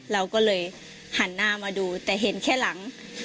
เราก็เลยหันหน้ามาดูแต่เห็นแค่หลัง